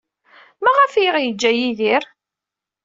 Maɣef ay aɣ-yeǧǧa Yidir?